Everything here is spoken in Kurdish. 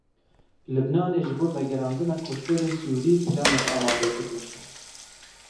Lubnanê ji bo vegerandina koçberên Sûrî planek amade kiriye.